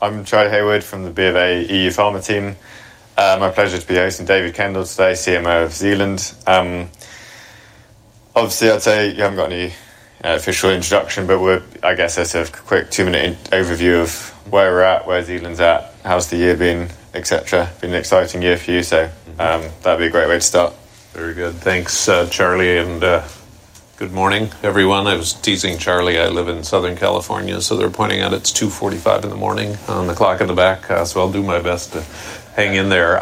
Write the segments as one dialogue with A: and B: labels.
A: I'm Charlie Hayward from the BFA EU Pharma team. My pleasure to be hosting David M. Kendall today, CMO of Zealand Pharma. Obviously, I'd say you haven't got any official introduction, but I guess it's a quick two-minute overview of where we're at, where Zealand's at, how's the year been, etc. Been an exciting year for you, so that'd be a great way to start.
B: Very good. Thanks, Charlie, and good morning, everyone. I was teasing Charlie. I live in Southern California, so they're pointing out it's 2:45 A.M. on the clock at the back. I'll do my best to hang in there.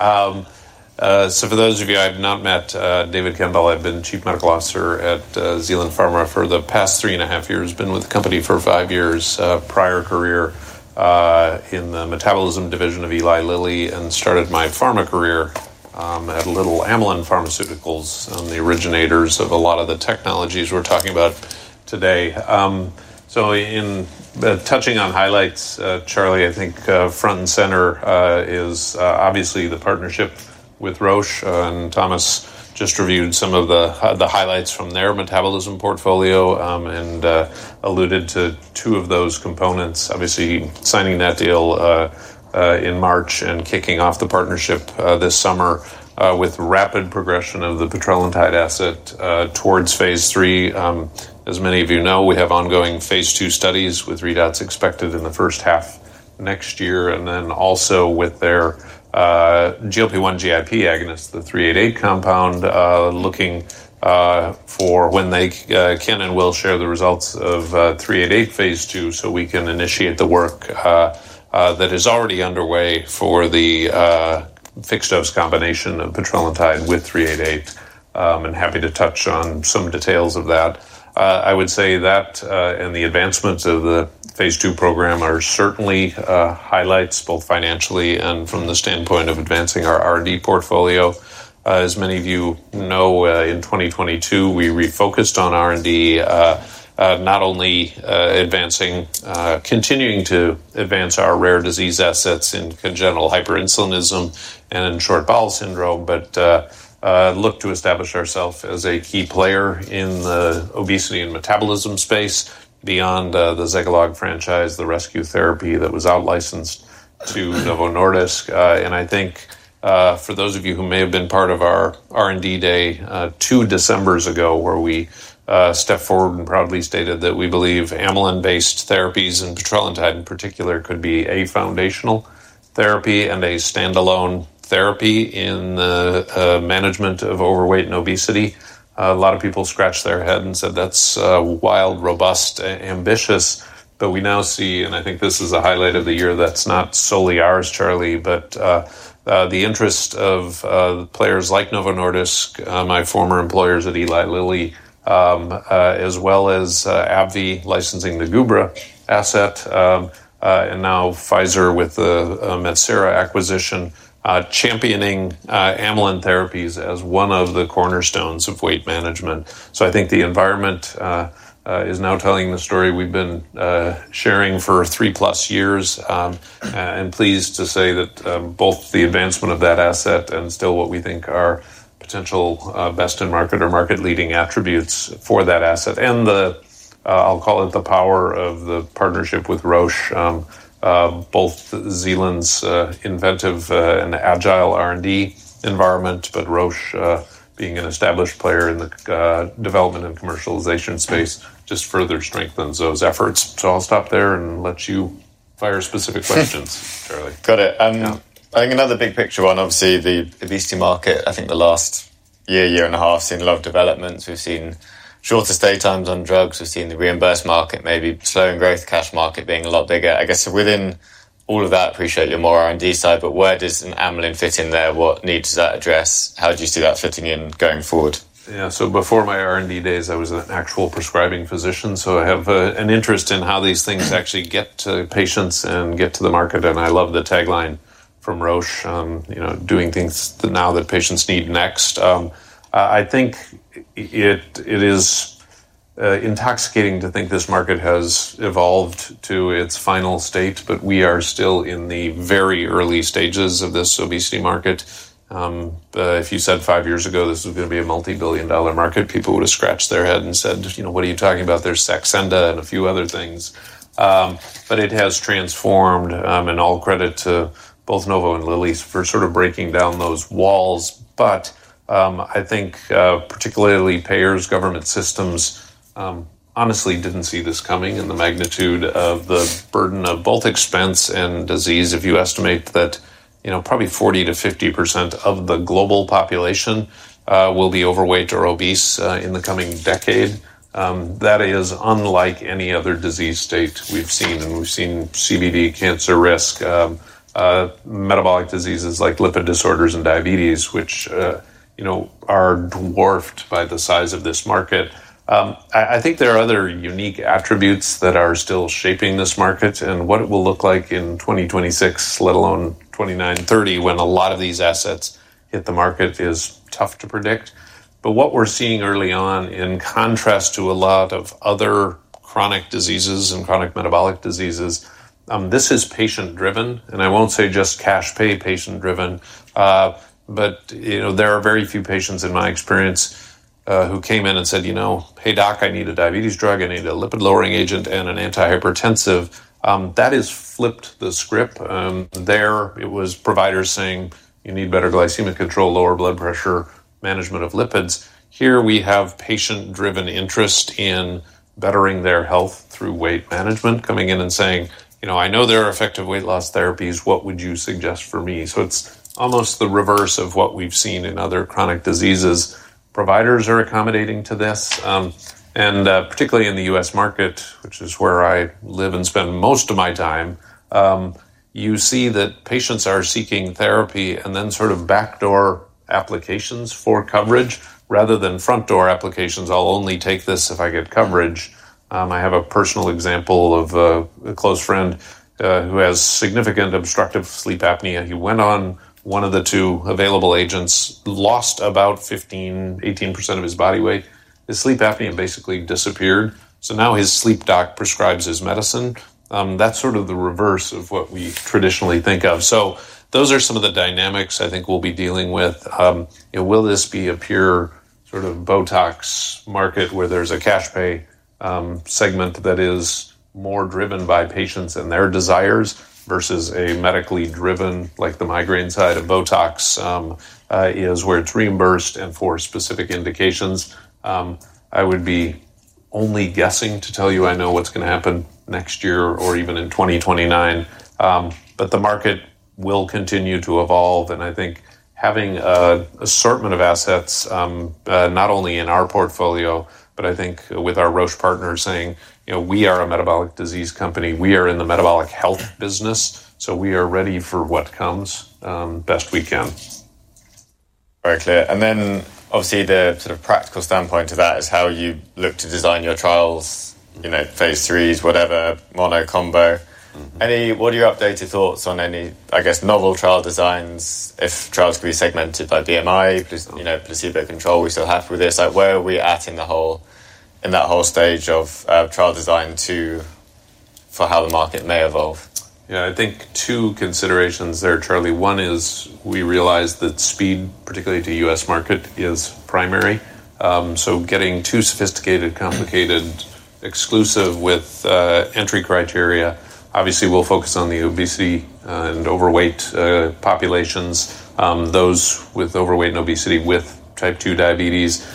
B: For those of you I have not met, David Kendall, I've been Chief Medical Officer at Zealand Pharma for the past three and a half years. Been with the company for five years. Prior career in the metabolism division of Eli Lilly and started my pharma career at little Amylin Pharmaceuticals, the originators of a lot of the technologies we're talking about today. Touching on highlights, Charlie, I think front and center is obviously the partnership with Roche. Thomas just reviewed some of the highlights from their metabolism portfolio and alluded to two of those components. Obviously, signing that deal in March and kicking off the partnership this summer with rapid progression of the petrelintide asset towards phase 3. As many of you know, we have ongoing phase 2 studies with readouts expected in the first half next year, and then also with their GLP-1/GIP agonist, the 388 compound, looking for when they can and will share the results of 388 phase 2 so we can initiate the work that is already underway for the fixed-dose combination of petrelintide with 388. Happy to touch on some details of that. I would say that and the advancements of the phase 2 program are certainly highlights, both financially and from the standpoint of advancing our R&D portfolio. As many of you know, in 2022, we refocused on R&D, not only advancing, continuing to advance our rare disease assets in congenital hyperinsulinism and in short bowel syndrome, but look to establish ourselves as a key player in the obesity and metabolism space beyond the Zegalogue franchise, the rescue therapy that was out-licensed to Novo Nordisk. For those of you who may have been part of our R&D day two Decembers ago, where we stepped forward and proudly stated that we believe amylin-based therapies and petrelintide in particular could be a foundational therapy and a standalone therapy in the management of overweight and obesity, a lot of people scratched their head and said that's wild, robust, ambitious. We now see, and I think this is a highlight of the year that's not solely ours, Charlie, but the interest of players like Novo Nordisk, my former employers at Eli Lilly, as well as AbbVie licensing the Gubra asset, and now Pfizer with the Metsera acquisition, championing amylin therapies as one of the cornerstones of weight management. I think the environment is now telling the story we've been sharing for three plus years, and pleased to say that both the advancement of that asset and still what we think are potential best in market or market-leading attributes for that asset. I'll call it the power of the partnership with Roche, both Zealand's inventive and agile R&D environment, but Roche being an established player in the development and commercialization space just further strengthens those efforts. I'll stop there and let you fire specific questions, Charlie.
A: Got it. I think another big picture one, obviously, the obesity market. I think the last year, year and a half, seen a lot of developments. We've seen shorter stay times on drugs. We've seen the reimbursed market maybe slowing growth, cash market being a lot bigger. I guess within all of that, appreciate your more R&D side, but where does an amylin fit in there? What needs does that address? How do you see that fitting in going forward?
B: Yeah, so before my R&D days, I was an actual prescribing physician. I have an interest in how these things actually get to patients and get to the market. I love the tagline from Roche, you know, doing things now that patients need next. I think it is intoxicating to think this market has evolved to its final state, but we are still in the very early stages of this obesity market. If you said five years ago this was going to be a multi-billion dollar market, people would have scratched their head and said, you know, what are you talking about? There's Saxenda and a few other things. It has transformed, and all credit to both Novo Nordisk and Eli Lilly for sort of breaking down those walls. I think particularly payers, government systems honestly didn't see this coming in the magnitude of the burden of both expense and disease. If you estimate that, you know, probably 40% to 50% of the global population will be overweight or obese in the coming decade, that is unlike any other disease state we've seen. We've seen CVD cancer risk, metabolic diseases like lipid disorders and diabetes, which, you know, are dwarfed by the size of this market. I think there are other unique attributes that are still shaping this market and what it will look like in 2026, let alone 2030, when a lot of these assets hit the market is tough to predict. What we're seeing early on, in contrast to a lot of other chronic diseases and chronic metabolic diseases, this is patient-driven. I won't say just cash-pay patient-driven. There are very few patients in my experience who came in and said, you know, hey doc, I need a diabetes drug, I need a lipid-lowering agent and an antihypertensive. That has flipped the script. There it was providers saying, you need better glycemic control, lower blood pressure, management of lipids. Here we have patient-driven interest in bettering their health through weight management, coming in and saying, you know, I know there are effective weight loss therapies, what would you suggest for me? It's almost the reverse of what we've seen in other chronic diseases. Providers are accommodating to this. Particularly in the U.S. market, which is where I live and spend most of my time, you see that patients are seeking therapy and then sort of backdoor applications for coverage rather than front-door applications. I'll only take this if I get coverage. I have a personal example of a close friend who has significant obstructive sleep apnea. He went on one of the two available agents, lost about 15%, 18% of his body weight. His sleep apnea basically disappeared. Now his sleep doc prescribes his medicine. That's sort of the reverse of what we traditionally think of. Those are some of the dynamics I think we'll be dealing with. Will this be a pure sort of Botox market where there's a cash-pay segment that is more driven by patients and their desires versus a medically driven, like the migraine side, and Botox is where it's reimbursed and for specific indications? I would be only guessing to tell you I know what's going to happen next year or even in 2029. The market will continue to evolve. I think having an assortment of assets, not only in our portfolio, but I think with our Roche partners saying, you know, we are a metabolic disease company. We are in the metabolic health business. We are ready for what comes, best we can.
A: Very clear. Obviously, the sort of practical standpoint to that is how you look to design your trials, you know, phase 3s, whatever, mono, combo. What are your updated thoughts on any, I guess, novel trial designs if trials could be segmented by BMI, you know, placebo control we still have for this? Where are we at in that whole stage of trial design for how the market may evolve?
B: Yeah, I think two considerations there, Charlie. One is we realize that speed, particularly to the U.S. market, is primary. Getting too sophisticated, complicated, exclusive with entry criteria. Obviously, we'll focus on the obesity and overweight populations, those with overweight and obesity with type 2 diabetes.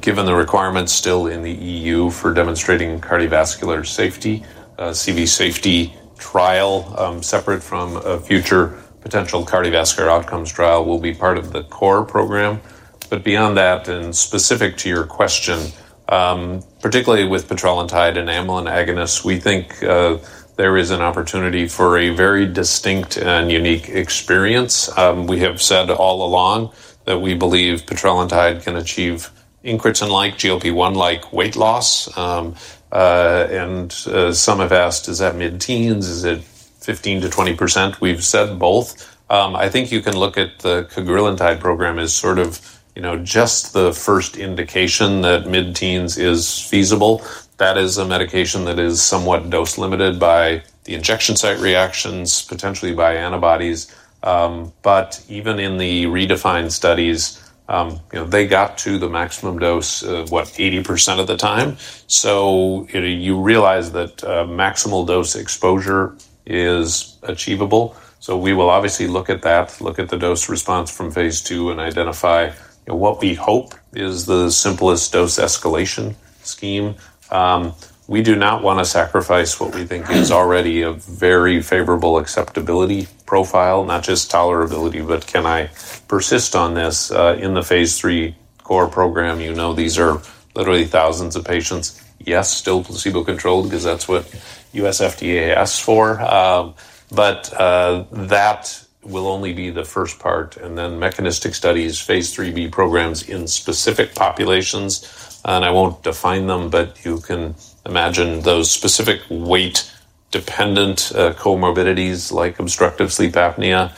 B: Given the requirements still in the EU for demonstrating cardiovascular safety, CV safety trial separate from a future potential cardiovascular outcomes trial will be part of the core program. Beyond that, and specific to your question, particularly with petrelintide and amylin analogs, we think there is an opportunity for a very distinct and unique experience. We have said all along that we believe petrelintide can achieve incretin-like, GLP-1-like weight loss. Some have asked, is that mid-teens? Is it 15 to 20%? We've said both. I think you can look at the kagrelintide program as sort of just the first indication that mid-teens is feasible. That is a medication that is somewhat dose-limited by the injection site reactions, potentially by antibodies. Even in the redefined studies, they got to the maximum dose, what, 80% of the time. You realize that maximal dose exposure is achievable. We will obviously look at that, look at the dose response from phase 2, and identify what we hope is the simplest dose escalation scheme. We do not want to sacrifice what we think is already a very favorable acceptability profile, not just tolerability, but can I persist on this in the phase 3 core program? These are literally thousands of patients. Yes, still placebo controlled because that's what U.S. FDA asks for. That will only be the first part. Mechanistic studies, phase 3B programs in specific populations. I won't define them, but you can imagine those specific weight-dependent comorbidities like obstructive sleep apnea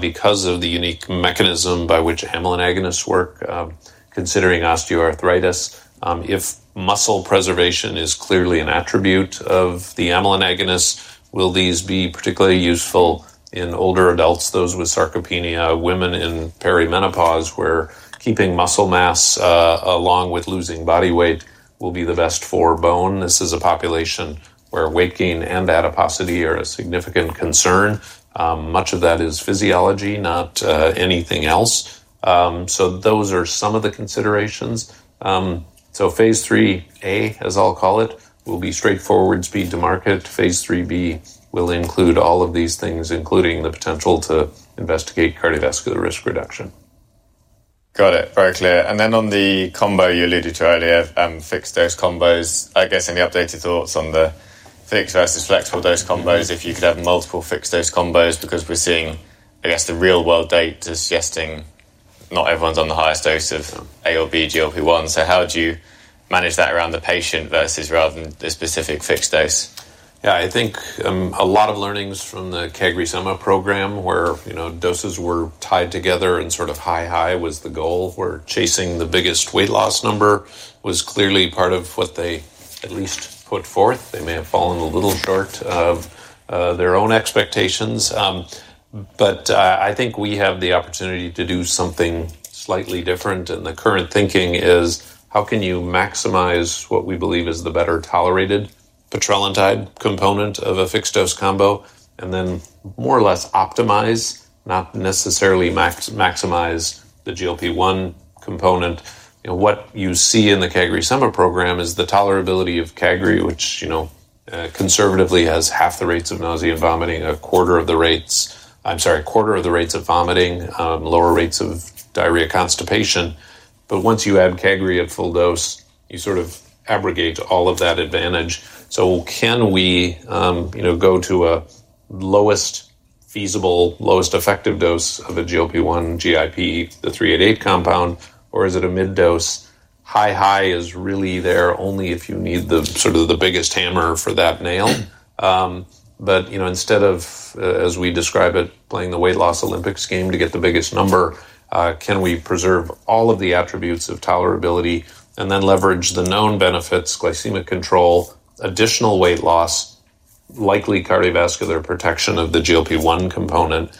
B: because of the unique mechanism by which amylin analogs work. Considering osteoarthritis, if muscle preservation is clearly an attribute of the amylin analogs, will these be particularly useful in older adults, those with sarcopenia, women in perimenopause where keeping muscle mass along with losing body weight will be the best for bone? This is a population where weight gain and adiposity are a significant concern. Much of that is physiology, not anything else. Those are some of the considerations. Phase 3A, as I'll call it, will be straightforward speed to market. Phase 3B will include all of these things, including the potential to investigate cardiovascular risk reduction.
A: Got it. Very clear. On the combo you alluded to earlier, fixed-dose combos, any updated thoughts on the fixed versus flexible dose combos? If you could have multiple fixed-dose combos, because we're seeing the real-world data suggesting not everyone's on the highest dose of A or B, GLP-1. How would you manage that around the patient rather than the specific fixed dose?
B: Yeah, I think a lot of learnings from the kagrelintide/semaglutide program where, you know, doses were tied together and sort of high-high was the goal for chasing the biggest weight loss number was clearly part of what they at least put forth. They may have fallen a little apart of their own expectations. I think we have the opportunity to do something slightly different. The current thinking is how can you maximize what we believe is the better tolerated petrelintide component of a fixed-dose combination and then more or less optimize, not necessarily maximize, the GLP-1 component. What you see in the kagrelintide/semaglutide program is the tolerability of kagrelintide, which, you know, conservatively has half the rates of nausea and vomiting, a quarter of the rates—I'm sorry, a quarter of the rates of vomiting, lower rates of diarrhea and constipation. Once you add kagrelintide at full dose, you sort of abrogate all of that advantage. Can we, you know, go to a lowest feasible, lowest effective dose of a GLP-1/GIP, the 388 compound, or is it a mid-dose? High-high is really there only if you need the sort of the biggest hammer for that nail. Instead of, as we describe it, playing the weight loss Olympics game to get the biggest number, can we preserve all of the attributes of tolerability and then leverage the known benefits, glycemic control, additional weight loss, likely cardiovascular protection of the GLP-1 component?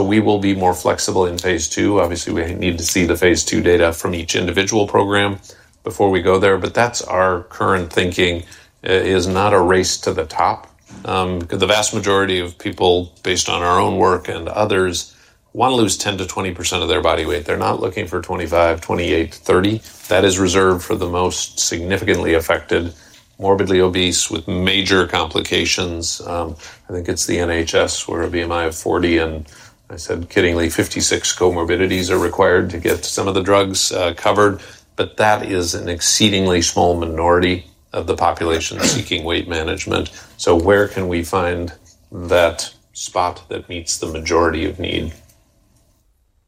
B: We will be more flexible in phase 2. Obviously, we need to see the phase 2 data from each individual program before we go there. That's our current thinking, not a race to the top. The vast majority of people, based on our own work and others, want to lose 10% to 20% of their body weight. They're not looking for 25%, 28%, 30%. That is reserved for the most significantly affected, morbidly obese with major complications. I think it's the NHS where a BMI of 40, and I said kiddingly, 56 comorbidities are required to get some of the drugs covered. That is an exceedingly small minority of the population seeking weight management. Where can we find that spot that meets the majority of need?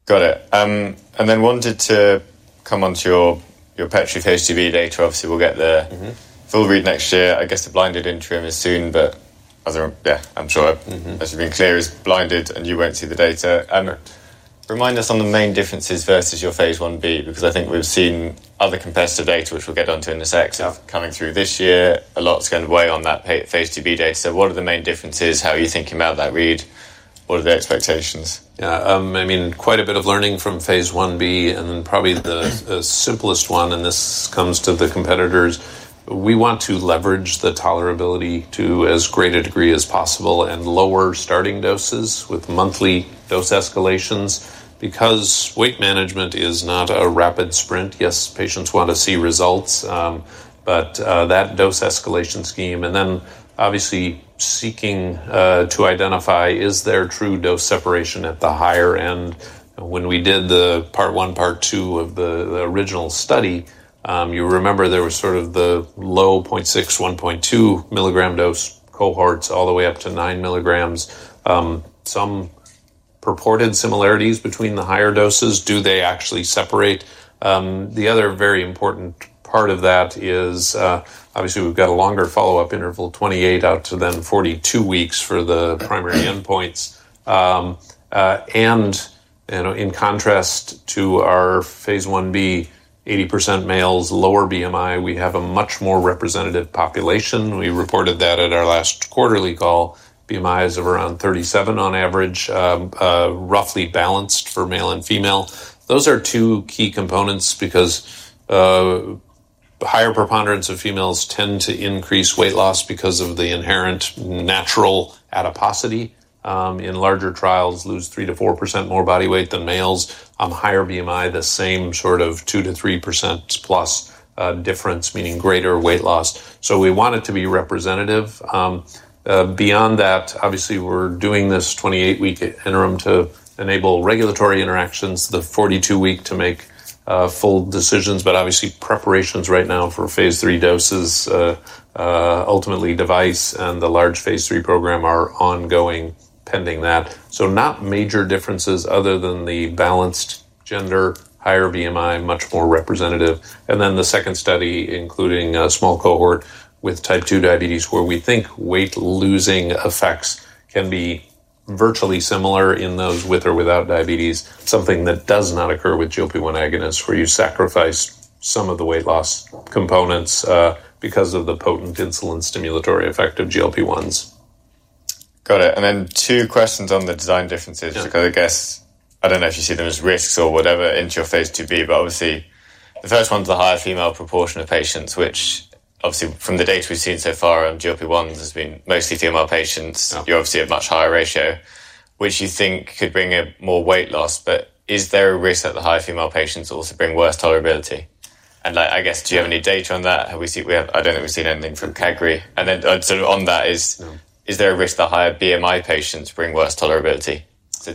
A: Got it. I wanted to come onto your petrelintide phase 2b data. Obviously, we'll get the full read next year. I guess the blinded interim is soon, but as we've been clear, it is blinded and you won't see the data. Remind us on the main differences versus your phase 1b, because I think we've seen other competitive data, which we'll get onto in a sec, coming through this year. A lot is going to weigh on that phase 2b data. What are the main differences? How are you thinking about that read? What are the expectations?
B: Yeah, I mean, quite a bit of learning from phase 1b and then probably the simplest one, and this comes to the competitors. We want to leverage the tolerability to as great a degree as possible and lower starting doses with monthly dose escalations because weight management is not a rapid sprint. Yes, patients want to see results, but that dose escalation scheme, and then obviously seeking to identify is there true dose separation at the higher end. When we did the part one, part two of the original study, you remember there were sort of the low 0.6, 1.2 mg dose cohorts all the way up to 9 mg. Some purported similarities between the higher doses. Do they actually separate? The other very important part of that is obviously we've got a longer follow-up interval, 28 out to then 42 weeks for the primary endpoints. In contrast to our phase 1b, 80% males, lower BMI, we have a much more representative population. We reported that at our last quarterly call, BMIs of around 37 on average, roughly balanced for male and female. Those are two key components because a higher preponderance of females tend to increase weight loss because of the inherent natural adiposity. In larger trials, lose 3% to 4% more body weight than males. Higher BMI, the same sort of 2% to 3% plus difference, meaning greater weight loss. We want it to be representative. Beyond that, obviously we're doing this 28-week interim to enable regulatory interactions, the 42-week to make full decisions, but obviously preparations right now for phase 3 doses. Ultimately, device and the large phase 3 program are ongoing pending that. Not major differences other than the balanced gender, higher BMI, much more representative. The second study, including a small cohort with type 2 diabetes, where we think weight losing effects can be virtually similar in those with or without diabetes, something that does not occur with GLP-1 agonists, where you sacrifice some of the weight loss components because of the potent insulin stimulatory effect of GLP-1s.
A: Got it. Two questions on the design differences, because I guess, I don't know if you see them as risks or whatever into your phase 2b, but obviously the first one's a higher female proportion of patients, which obviously from the data we've seen so far, GLP-1-based therapies has been mostly female patients. You obviously have a much higher ratio, which you think could bring more weight loss, but is there a risk that the higher female patients also bring worse tolerability? Do you have any data on that? I don't think we've seen anything from kagrelintide. Is there a risk the higher BMI patients bring worse tolerability?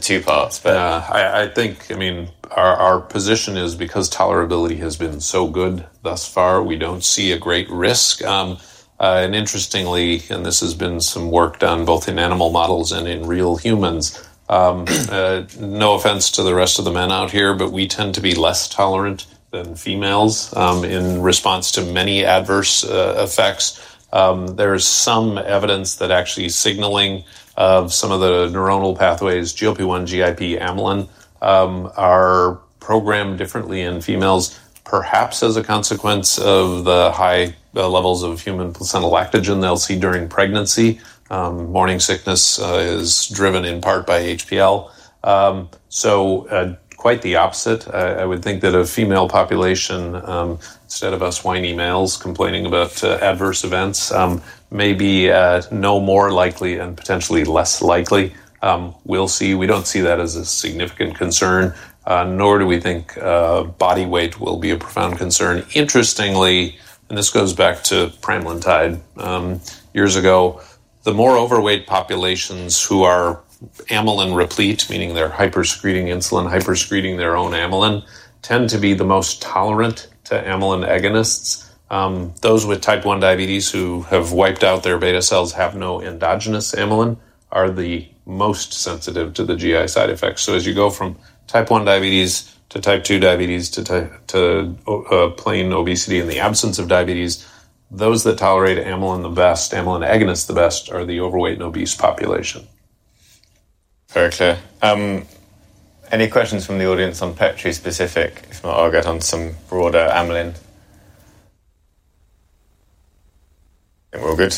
A: Two parts.
B: Yeah, I think, I mean, our position is because tolerability has been so good thus far, we don't see a great risk. Interestingly, and this has been some work done both in animal models and in real humans. No offense to the rest of the men out here, but we tend to be less tolerant than females in response to many adverse effects. There's some evidence that actually signaling of some of the neuronal pathways, GLP-1, GIP, amylin are programmed differently in females, perhaps as a consequence of the high levels of human placental lactogen they'll see during pregnancy. Morning sickness is driven in part by HPL. Quite the opposite, I would think that a female population, instead of us whiny males complaining about adverse events, may be no more likely and potentially less likely. We'll see. We don't see that as a significant concern, nor do we think body weight will be a profound concern. Interestingly, and this goes back to primaline tide years ago, the more overweight populations who are amylin replete, meaning they're hypersecreting insulin, hypersecreting their own amylin, tend to be the most tolerant to amylin agonists. Those with type 1 diabetes who have wiped out their beta cells, have no endogenous amylin, are the most sensitive to the GI side effects. As you go from type 1 diabetes to type 2 diabetes to plain obesity in the absence of diabetes, those that tolerate amylin the best, amylin agonists the best, are the overweight and obese population.
A: Very clear. Any questions from the audience on petrelintide specific? If not, I'll get on some broader amylin. We're all good.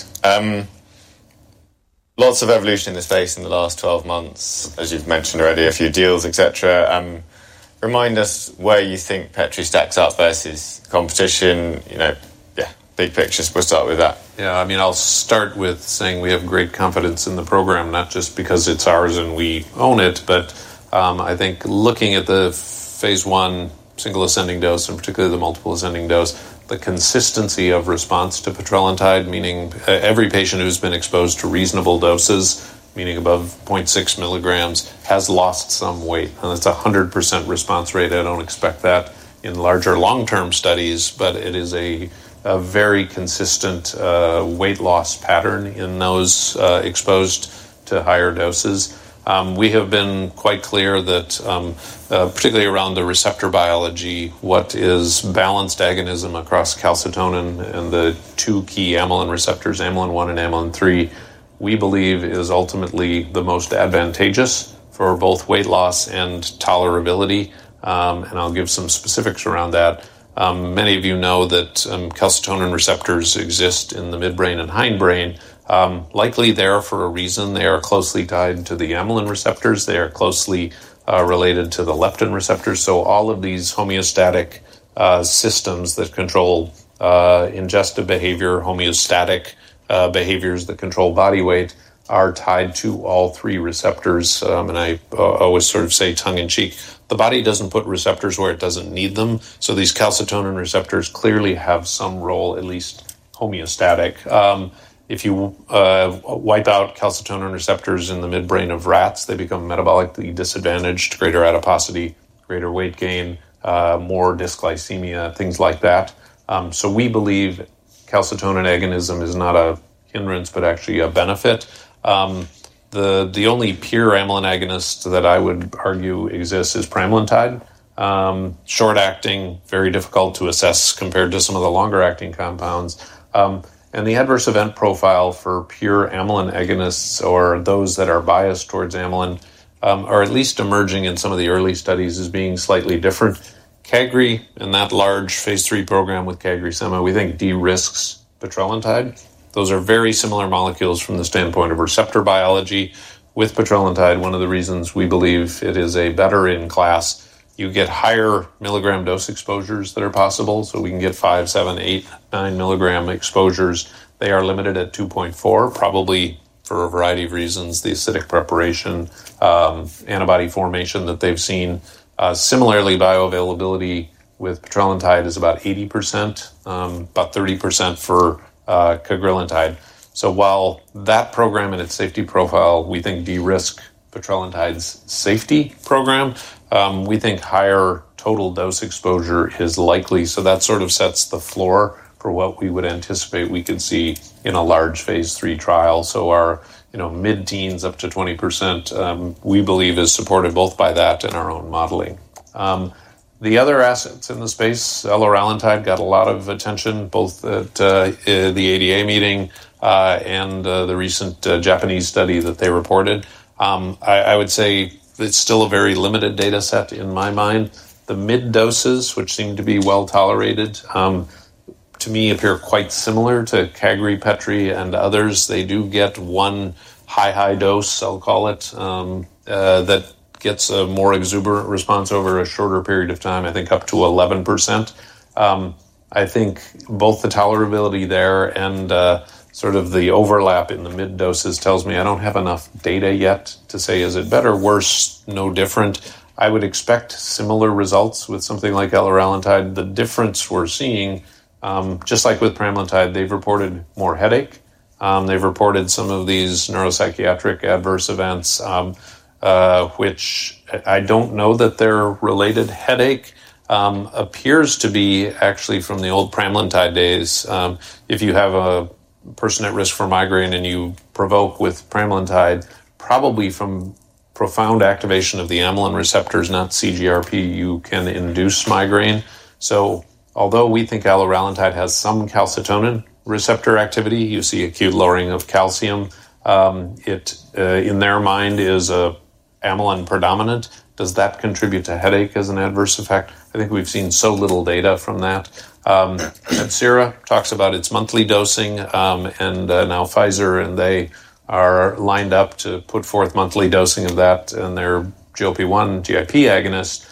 A: Lots of evolution in the space in the last 12 months, as you've mentioned already, a few deals, etc. Remind us where you think petrelintide stacks up versus competition. You know, yeah, big picture. Let's start with that.
B: Yeah, I mean, I'll start with saying we have great confidence in the program, not just because it's ours and we own it, but I think looking at the phase 1 single ascending dose, in particular the multiple ascending dose, the consistency of response to petrelintide, meaning every patient who's been exposed to reasonable doses, meaning above 0.6 milligrams, has lost some weight. That's a 100% response rate. I don't expect that in larger long-term studies, but it is a very consistent weight loss pattern in those exposed to higher doses. We have been quite clear that particularly around the receptor biology, what is balanced agonism across calcitonin and the two key amylin receptors, amylin 1 and amylin 3, we believe is ultimately the most advantageous for both weight loss and tolerability. I'll give some specifics around that. Many of you know that calcitonin receptors exist in the midbrain and hindbrain, likely there for a reason. They are closely tied to the amylin receptors. They are closely related to the leptin receptors. All of these homeostatic systems that control ingestive behavior, homeostatic behaviors that control body weight are tied to all three receptors. I always sort of say tongue in cheek, the body doesn't put receptors where it doesn't need them. These calcitonin receptors clearly have some role, at least homeostatic. If you wipe out calcitonin receptors in the midbrain of rats, they become metabolically disadvantaged, greater adiposity, greater weight gain, more dysglycemia, things like that. We believe calcitonin agonism is not a hindrance, but actually a benefit. The only pure amylin agonist that I would argue exists is pramlintide. Short acting, very difficult to assess compared to some of the longer acting compounds. The adverse event profile for pure amylin agonists or those that are biased towards amylin, or at least emerging in some of the early studies, is being slightly different. Kagrelintide and that large phase 3 program with KagriSema, we think de-risks petrelintide. Those are very similar molecules from the standpoint of receptor biology. With petrelintide, one of the reasons we believe it is a better in class, you get higher milligram dose exposures that are possible. We can get five, seven, eight, nine milligram exposures. They are limited at 2.4, probably for a variety of reasons, the acidic preparation, antibody formation that they've seen. Similarly, bioavailability with petrelintide is about 80%, about 30% for kagrelintide. While that program and its safety profile, we think, de-risk petrelintide's safety program, we think higher total dose exposure is likely. That sets the floor for what we would anticipate we could see in a large phase 3 trial. Our mid-teens up to 20%, we believe, is supported both by that and our own modeling. The other assets in the space, LRL-NTIDE got a lot of attention both at the ADA meeting and the recent Japanese study that they reported. I would say it's still a very limited data set in my mind. The mid-doses, which seem to be well tolerated, to me appear quite similar to Kagri, Petri, and others. They do get one high-high dose, I'll call it, that gets a more exuberant response over a shorter period of time, I think up to 11%. I think both the tolerability there and the overlap in the mid-doses tells me I don't have enough data yet to say is it better, worse, no different. I would expect similar results with something like LRL-NTIDE. The difference we're seeing, just like with pramlintide, they've reported more headache. They've reported some of these neuropsychiatric adverse events, which I don't know that they're related. Headache appears to be actually from the old pramlintide days. If you have a person at risk for migraine and you provoke with pramlintide, probably from profound activation of the amylin receptors, not CGRP, you can induce migraine. Although we think LRL-NTIDE has some calcitonin receptor activity, you see acute lowering of calcium. It, in their mind, is amylin predominant. Does that contribute to headache as an adverse effect? I think we've seen so little data from that. Metsera talks about its monthly dosing, and now Pfizer and they are lined up to put forth monthly dosing of that and their GLP-1/GIP agonists.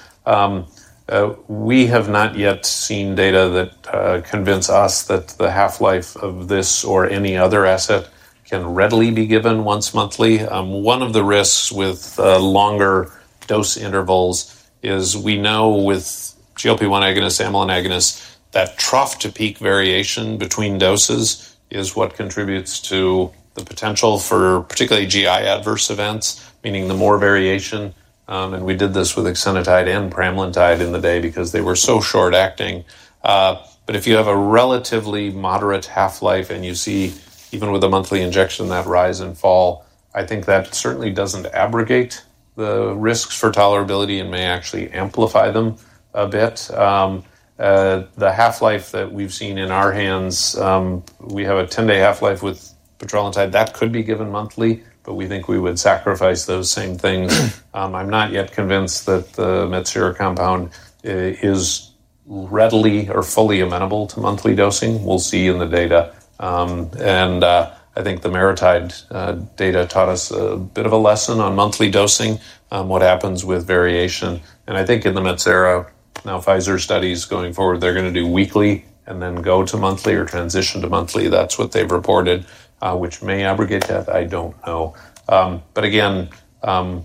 B: We have not yet seen data that convince us that the half-life of this or any other asset can readily be given once monthly. One of the risks with longer dose intervals is we know with GLP-1 agonists, amylin agonists, that trough to peak variation between doses is what contributes to the potential for particularly GI adverse events, meaning the more variation. We did this with exenatide and pramlintide in the day because they were so short acting. If you have a relatively moderate half-life and you see even with a monthly injection that rise and fall, I think that certainly doesn't abrogate the risks for tolerability and may actually amplify them a bit. The half-life that we've seen in our hands, we have a 10-day half-life with petrelintide. That could be given monthly, but we think we would sacrifice those same things. I'm not yet convinced that the Metsera compound is readily or fully amenable to monthly dosing. We'll see in the data. I think the maritide data taught us a bit of a lesson on monthly dosing, what happens with variation. I think in the Metsera, now Pfizer studies going forward, they're going to do weekly and then go to monthly or transition to monthly. That's what they've reported, which may abrogate that. I don't know.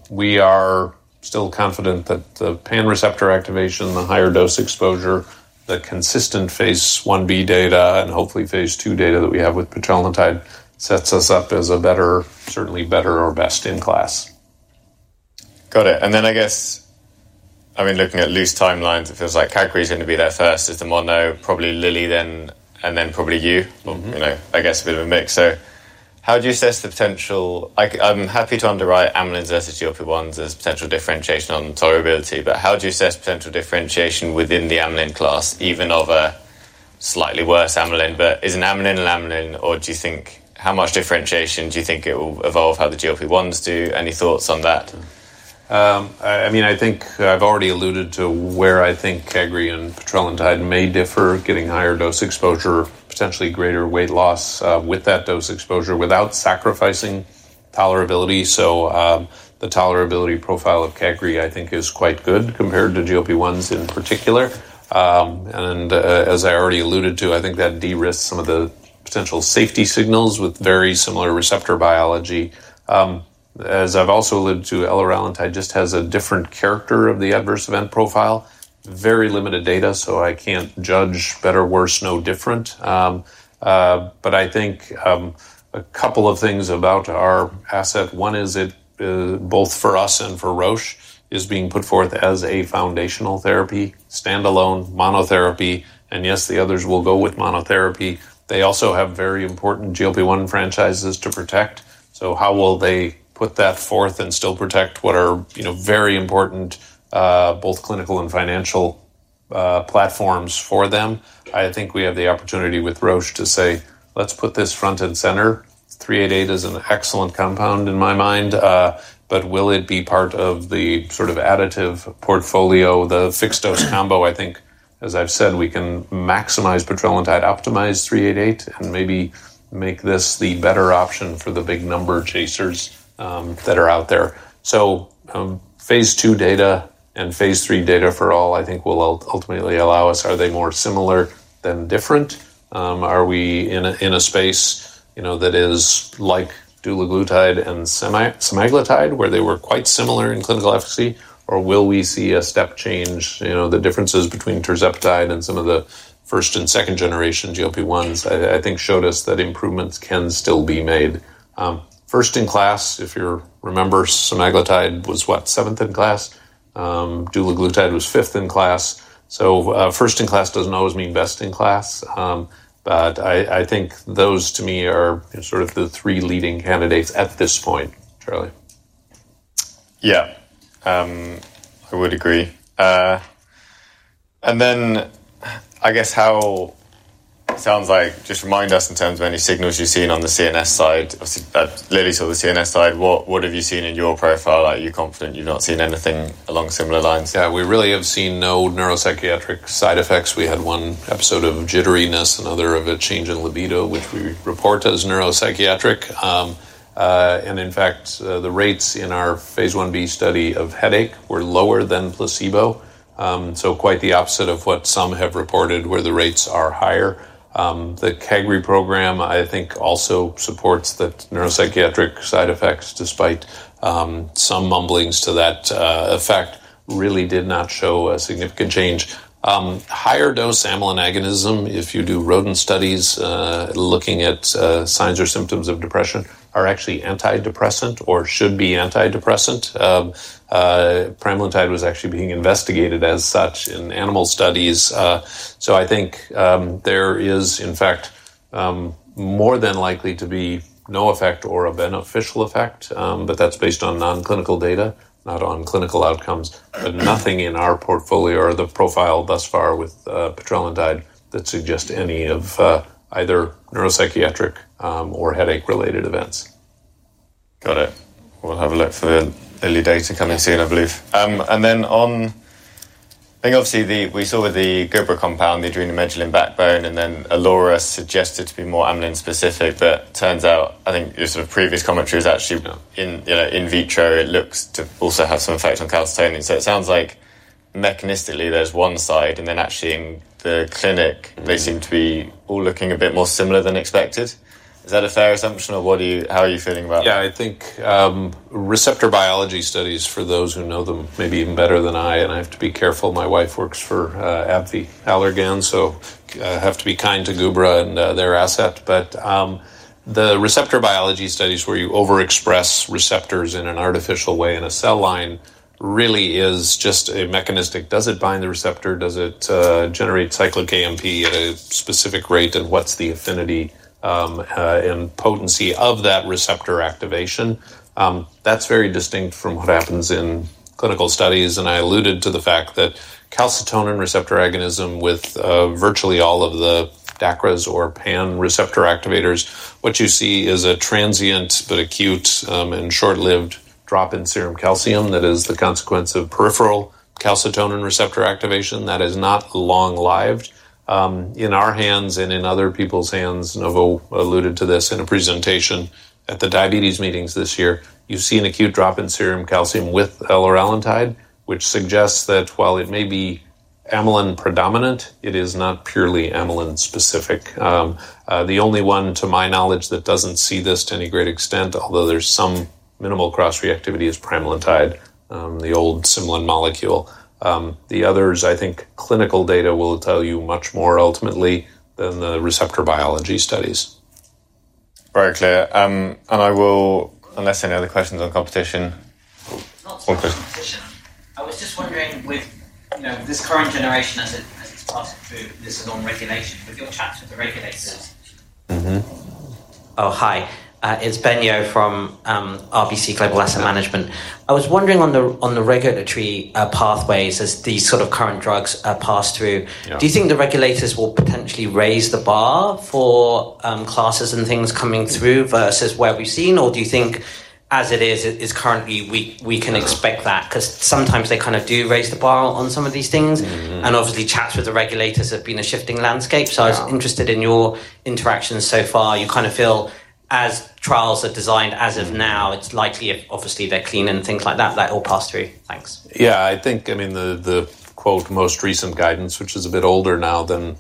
B: We are still confident that the pan-receptor activation, the higher dose exposure, the consistent phase 1B data, and hopefully phase 2 data that we have with petrelintide sets us up as a better, certainly better or best in class.
A: Got it. I mean, looking at loose timelines, it feels like kagrelintide is going to be there first as the mono, probably Lilly then, and then probably you. You know, I guess a bit of a mix. How do you assess the potential? I'm happy to underwrite amylin versus GLP-1s as potential differentiation on tolerability, but how do you assess potential differentiation within the amylin class, even of a slightly worse amylin? Is an amylin an amylin, or how much differentiation do you think it will evolve how the GLP-1s do? Any thoughts on that?
B: I mean, I think I've already alluded to where I think kagrelintide and petrelintide may differ, getting higher dose exposure, potentially greater weight loss with that dose exposure without sacrificing tolerability. The tolerability profile of kagrelintide, I think, is quite good compared to GLP-1s in particular. As I already alluded to, I think that de-risked some of the potential safety signals with very similar receptor biology. As I've also alluded to, LRL-NTIDE just has a different character of the adverse event profile. Very limited data, so I can't judge better, worse, no different. I think a couple of things about our asset. One is it both for us and for Roche is being put forth as a foundational therapy, standalone monotherapy, and yes, the others will go with monotherapy. They also have very important GLP-1 franchises to protect. How will they put that forth and still protect what are, you know, very important both clinical and financial platforms for them? I think we have the opportunity with Roche to say, let's put this front and center. 388 is an excellent compound in my mind, but will it be part of the sort of additive portfolio, the fixed-dose combination? I think, as I've said, we can maximize petrelintide, optimize 388, and maybe make this the better option for the big number chasers that are out there. Phase 2 data and phase 3 data for all, I think, will ultimately allow us. Are they more similar than different? Are we in a space, you know, that is like dulaglutide and semaglutide, where they were quite similar in clinical efficacy, or will we see a step change? The differences between tirzepatide and some of the first and second generation GLP-1s, I think, showed us that improvements can still be made. First in class, if you remember, semaglutide was what, seventh in class? Dulaglutide was fifth in class. First in class doesn't always mean best in class, but I think those, to me, are sort of the three leading candidates at this point, Charlie.
A: Yeah, I would agree. I guess how it sounds, just remind us in terms of any signals you've seen on the CNS side. Obviously, that Lilly's on the CNS side. What have you seen in your profile? Are you confident you've not seen anything along similar lines?
B: Yeah, we really have seen no neuropsychiatric side effects. We had one episode of jitteriness, another of a change in libido, which we report as neuropsychiatric. In fact, the rates in our phase 1b study of headache were lower than placebo, quite the opposite of what some have reported, where the rates are higher. The kagrelintide program, I think, also supports that neuropsychiatric side effects, despite some mumblings to that effect, really did not show a significant change. Higher dose amylin agonism, if you do rodent studies looking at signs or symptoms of depression, are actually antidepressant or should be antidepressant. Pramlintide was actually being investigated as such in animal studies. I think there is, in fact, more than likely to be no effect or a beneficial effect, but that's based on non-clinical data, not on clinical outcomes. Nothing in our portfolio or the profile thus far with petrelintide suggests any of either neuropsychiatric or headache-related events.
A: Got it. We'll have a look for the Lilly data coming soon, I believe. I think obviously we saw with the GOPRA compound, the adrenomegaline backbone, and then Alora suggested to be more amylin specific. It turns out, I think your sort of previous commentary is actually in vitro, it looks to also have some effect on calcitonin. It sounds like mechanistically there's one side, and then actually in the clinic, they seem to be all looking a bit more similar than expected. Is that a fair assumption, or how are you feeling about it?
B: Yeah, I think receptor biology studies, for those who know them maybe even better than I, and I have to be careful, my wife works for AbbVie Allergan, so I have to be kind to Gubra and their asset. The receptor biology studies where you overexpress receptors in an artificial way in a cell line really is just a mechanistic. Does it bind the receptor? Does it generate cyclic AMP at a specific rate? What's the affinity and potency of that receptor activation? That's very distinct from what happens in clinical studies. I alluded to the fact that calcitonin receptor agonism with virtually all of the DACRAs or pan-receptor activators, what you see is a transient but acute and short-lived drop in serum calcium that is the consequence of peripheral calcitonin receptor activation that is not long lived. In our hands and in other people's hands, Novo Nordisk alluded to this in a presentation at the diabetes meetings this year, you see an acute drop in serum calcium with LRL-NTIDE, which suggests that while it may be amylin predominant, it is not purely amylin specific. The only one, to my knowledge, that doesn't see this to any great extent, although there's some minimal cross-reactivity, is pramlintide, the old Symlin molecule. The others, I think clinical data will tell you much more ultimately than the receptor biology studies.
A: Very clear. I will, unless any other questions on competition.
C: I was just wondering, with this current generation that has passed through this non-regulation, we've got a chance to regulate this. Hi, it's Ben Yeo from RBC Global Asset Management. I was wondering on the regulatory pathways as these sort of current drugs pass through. Do you think the regulators will potentially raise the bar for classes and things coming through versus where we've seen? Or do you think as it is, it is currently we can expect that? Sometimes they do raise the bar on some of these things. Obviously, chats with the regulators have been a shifting landscape. I was interested in your interactions so far. You kind of feel as trials are designed as of now, it's likely, obviously, they're clean and things like that, that all pass through. Thanks.
B: Yeah, I think, I mean, the most recent guidance, which is a bit older now than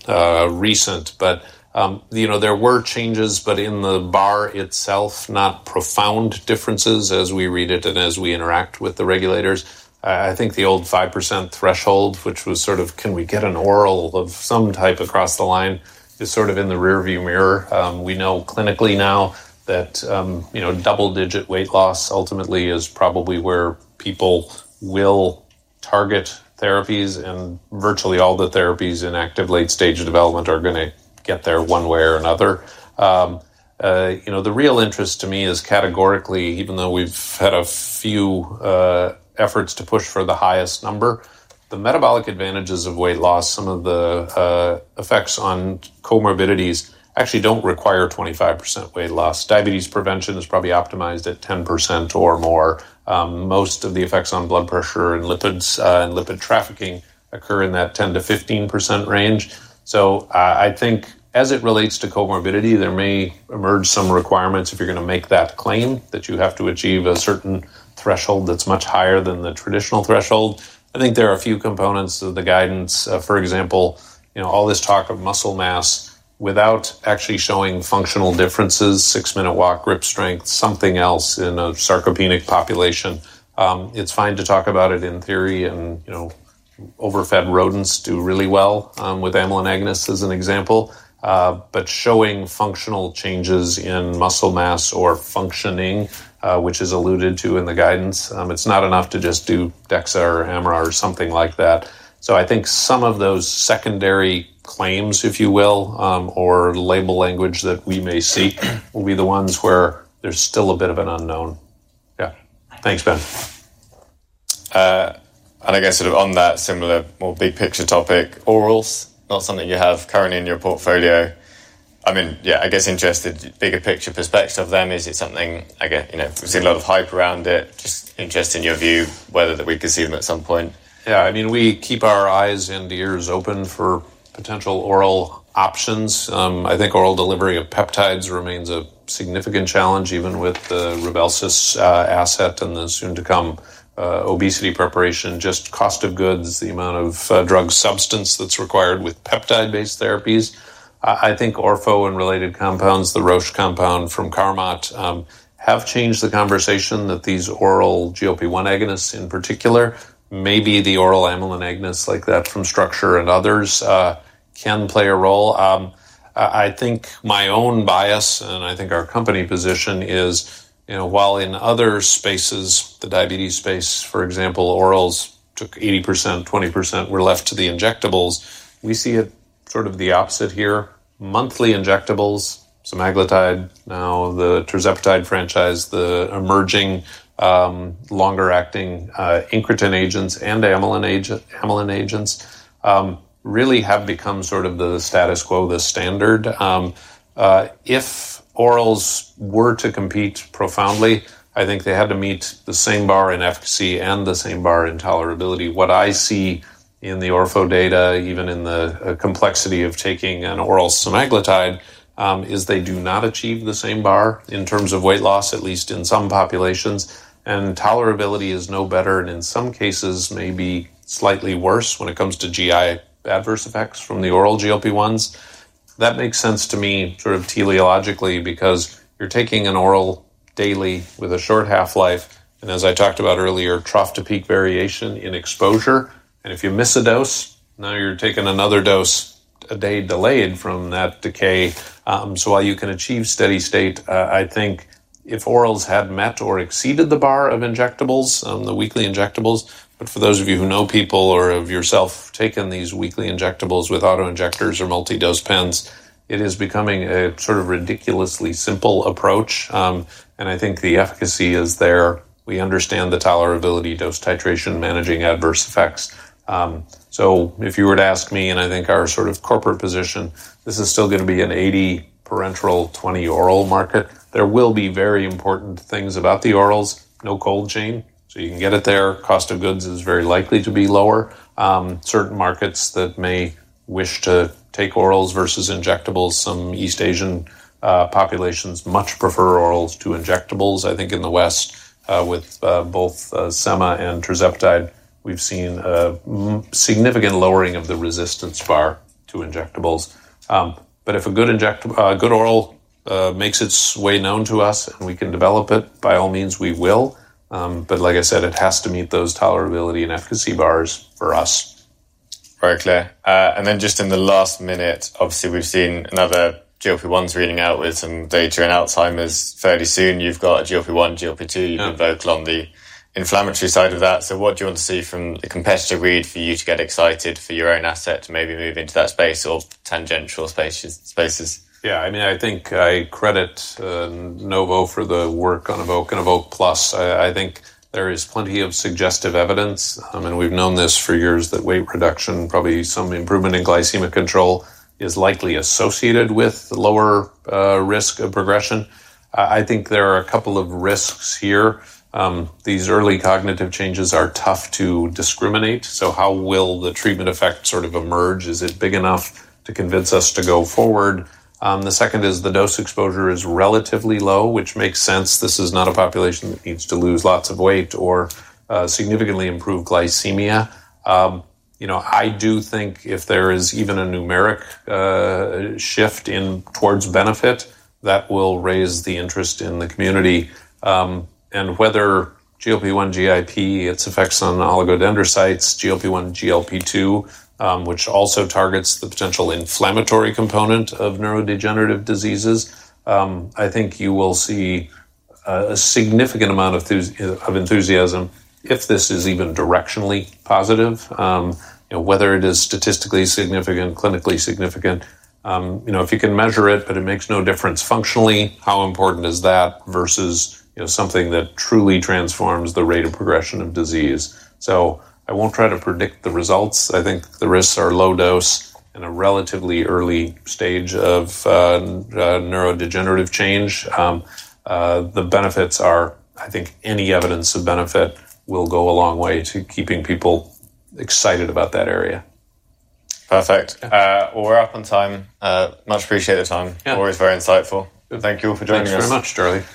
B: recent, but you know, there were changes, but in the bar itself, not profound differences as we read it and as we interact with the regulators. I think the old 5% threshold, which was sort of, can we get an oral of some type across the line, is sort of in the rearview mirror. We know clinically now that, you know, double-digit weight loss ultimately is probably where people will target therapies and virtually all the therapies in active late-stage development are going to get there one way or another. The real interest to me is categorically, even though we've had a few efforts to push for the highest number, the metabolic advantages of weight loss, some of the effects on comorbidities actually don't require 25% weight loss. Diabetes prevention is probably optimized at 10% or more. Most of the effects on blood pressure and lipids and lipid trafficking occur in that 10 to 15% range. I think as it relates to comorbidity, there may emerge some requirements if you're going to make that claim that you have to achieve a certain threshold that's much higher than the traditional threshold. I think there are a few components of the guidance. For example, all this talk of muscle mass without actually showing functional differences, six-minute walk, grip strength, something else in a sarcopenic population. It's fine to talk about it in theory, and you know, overfed rodents do really well with amylin analogs as an example. Showing functional changes in muscle mass or functioning, which is alluded to in the guidance, it's not enough to just do DEXA or AMRA or something like that. I think some of those secondary claims, if you will, or label language that we may see will be the ones where there's still a bit of an unknown. Yeah. Thanks, Ben.
A: On that similar, more big picture topic, orals are not something you have currently in your portfolio. I mean, yeah, I guess interested, bigger picture perspective of them. Is it something, I guess, you know, we've seen a lot of hype around it, just interested in your view, whether we could see them at some point.
B: Yeah, I mean, we keep our eyes and ears open for potential oral options. I think oral delivery of peptides remains a significant challenge, even with the Rybelsus asset and the soon-to-come obesity preparation, just cost of goods, the amount of drug substance that's required with peptide-based therapies. I think Orforglipron and related compounds, the Roche compound from Carmot, have changed the conversation that these oral GLP-1 agonists in particular, maybe the oral amylin analogs like that from Structure and others, can play a role. I think my own bias, and I think our company position is, you know, while in other spaces, the diabetes space, for example, orals took 80%, 20% were left to the injectables. We see it sort of the opposite here. Monthly injectables, semaglutide, now the tirzepatide franchise, the emerging longer-acting incretin agents and amylin analogs really have become sort of the status quo, the standard. If orals were to compete profoundly, I think they had to meet the same bar in efficacy and the same bar in tolerability. What I see in the Orforglipron data, even in the complexity of taking an oral semaglutide, is they do not achieve the same bar in terms of weight loss, at least in some populations. Tolerability is no better, and in some cases, maybe slightly worse when it comes to GI adverse effects from the oral GLP-1s. That makes sense to me sort of teleologically because you're taking an oral daily with a short half-life, and as I talked about earlier, trough to peak variation in exposure. If you miss a dose, now you're taking another dose a day delayed from that decay. While you can achieve steady state, I think if orals had met or exceeded the bar of injectables, the weekly injectables, for those of you who know people or have yourself taken these weekly injectables with autoinjectors or multi-dose pens, it is becoming a sort of ridiculously simple approach. I think the efficacy is there. We understand the tolerability, dose titration, managing adverse effects. If you were to ask me, and I think our sort of corporate position, this is still going to be an 80% parenteral, 20% oral market. There will be very important things about the orals, no cold chain, so you can get it there. Cost of goods is very likely to be lower. Certain markets that may wish to take orals versus injectables, some East Asian populations much prefer orals to injectables. I think in the West, with both semaglutide and tirzepatide, we've seen a significant lowering of the resistance bar to injectables. If a good oral makes its way known to us and we can develop it, by all means we will. Like I said, it has to meet those tolerability and efficacy bars for us.
A: Very clear. In the last minute, obviously we've seen another GLP-1s reading out with some data in Alzheimer's fairly soon. You've got a GLP-1, GLP-2, you've been vocal on the inflammatory side of that. What do you want to see from the competitor read for you to get excited for your own asset to maybe move into that space or tangential spaces?
B: Yeah, I mean, I think I credit Novo Nordisk for the work on Evoke and Evoke Plus. I think there is plenty of suggestive evidence, and we've known this for years, that weight reduction, probably some improvement in glycemic control, is likely associated with lower risk of progression. I think there are a couple of risks here. These early cognitive changes are tough to discriminate. How will the treatment effect sort of emerge? Is it big enough to convince us to go forward? The second is the dose exposure is relatively low, which makes sense. This is not a population that needs to lose lots of weight or significantly improve glycemia. I do think if there is even a numeric shift towards benefit, that will raise the interest in the community. Whether GLP-1, GIP, its effects on oligodendrocytes, GLP-1, GLP-2, which also targets the potential inflammatory component of neurodegenerative diseases, I think you will see a significant amount of enthusiasm if this is even directionally positive. Whether it is statistically significant, clinically significant, if you can measure it, but it makes no difference functionally, how important is that versus something that truly transforms the rate of progression of disease. I won't try to predict the results. I think the risks are low dose in a relatively early stage of neurodegenerative change. The benefits are, I think, any evidence of benefit will go a long way to keeping people excited about that area.
A: Perfect. We're up on time. Much appreciate the time. Always very insightful. Thank you all for joining us.
B: Thanks very much, Charlie.